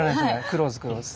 クローズクローズ。